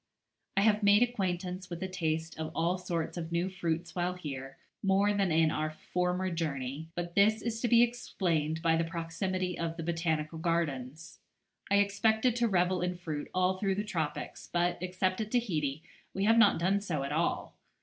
I have made acquaintance with the taste of all sorts of new fruits while here, more than in our former journey; but this is to be explained by the proximity of the Botanical Gardens. I expected to revel in fruit all through the tropics, but, except at Tahiti, we have not done so at all.